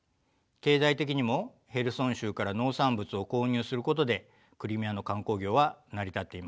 経済的にもヘルソン州から農産物を購入することでクリミアの観光業は成り立っていました。